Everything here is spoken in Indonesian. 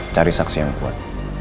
cari saksi yang kuat